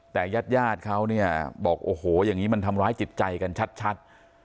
แต่ญาติญาติเขาเนี่ยบอกโอ้โหอย่างนี้มันทำร้ายจิตใจกันชัด